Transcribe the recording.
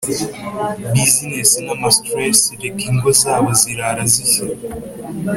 business n’amastress reka ingo zabo zirara zishya